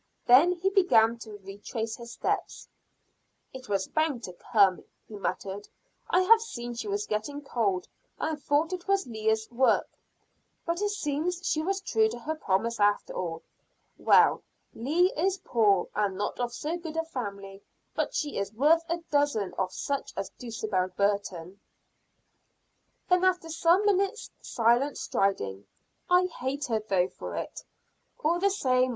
Then he began to retrace his steps. "It was bound to come," he muttered. "I have seen she was getting cold and thought it was Leah's work, but it seems she was true to her promise after all. Well, Leah is poor, and not of so good a family, but she is worth a dozen of such as Dulcibel Burton." Then after some minutes' silent striding, "I hate her though for it, all the same.